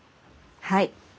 はい。